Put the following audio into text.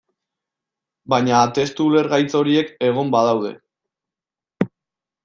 Baina testu ulergaitz horiek egon badaude.